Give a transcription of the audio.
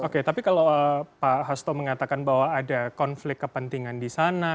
oke tapi kalau pak hasto mengatakan bahwa ada konflik kepentingan di sana